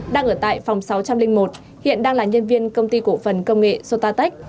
đang ở tại phòng sáu trăm linh một hiện đang là nhân viên công ty cổ phần công nghệ sotatech